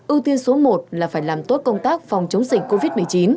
ưu tiên số một là phải làm tốt công tác phòng chống dịch covid một mươi chín